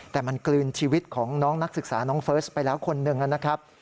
แต่มันกลืนชีวิตของน้องนักศึกษาน้องเฟิร์สไปแล้วคนหนึ่งนะครับ